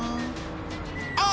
あ。